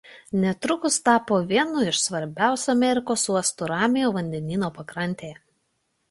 Netrukus tapo vienu iš svarbiausių Amerikos uostų Ramiojo vandenyno pakrantėje.